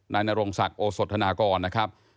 นัยนรงศักดิ์โอะสดธนกรนะครับ